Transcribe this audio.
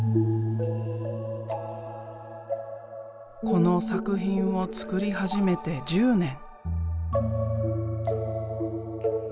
この作品を作り始めて１０年。